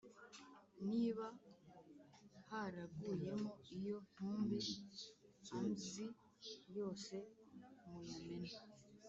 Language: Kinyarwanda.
niba haraguyemo iyo ntumbi amzi yose muyamene